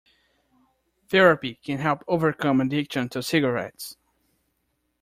Therapy can help overcome addiction to cigarettes.